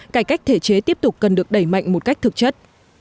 cải cách thể chế tiếp tục cần được đẩy mạnh một cách thực chất